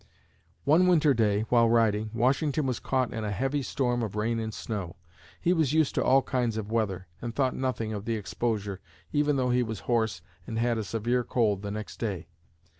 One winter day, while riding, Washington was caught in a heavy storm of rain and snow. He was used to all kinds of weather and thought nothing of the exposure, even though he was hoarse and had a severe cold the next day.